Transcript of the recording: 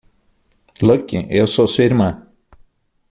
Luke? Eu sou sua irmã!